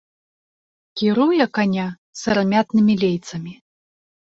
Кіруе каня сырамятнымі лейцамі.